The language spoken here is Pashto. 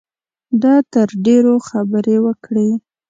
ده تر ډېرو خبرې وکړې.